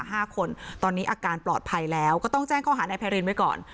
ห้าคนตอนนี้อาการปลอดภัยแล้วก็ต้องแจ้งข้อหานายไพรินไว้ก่อน